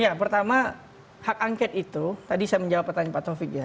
ya pertama hak angket itu tadi saya menjawab pertanyaan pak taufik ya